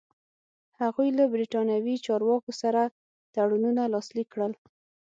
هغوی له برېټانوي چارواکو سره تړونونه لاسلیک کړل.